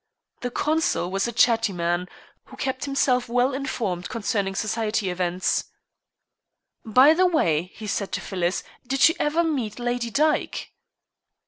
The consul was a chatty man, who kept himself well informed concerning society events. "By the way," he said to Phyllis, "did you ever meet Lady Dyke?"